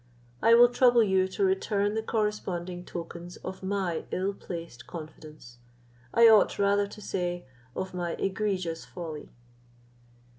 I will trouble you to return the corresponding tokens of my ill placed confidence; I ought rather to say, of my egregious folly."